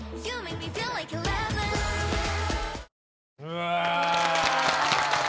うわ！